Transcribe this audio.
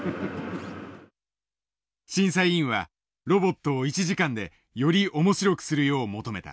審査委員はロボットを１時間でより面白くするよう求めた。